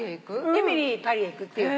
『エミリー、パリへ行く』っていうタイトル。